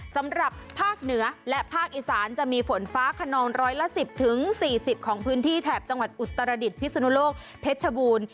สำหรับภาคเหนือและภาคอีสานจะมีฝนฟ้าขนองร้อยละ๑๐๔๐ของพื้นที่แถบจังหวัดอุตรดิษฐพิศนุโลกเพชรชบูรณ์